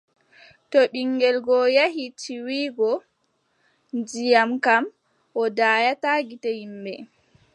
To ɓiŋngel go yehi tiiwugo ndiyam kam, o daaya gite yimɓe.